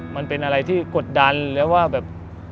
มันเป็นอะไรที่กดดันหรือว่าแบบ